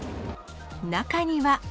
中には。